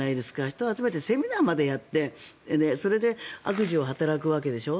人を集めてセミナーまでやってそれで悪事を働くわけでしょ。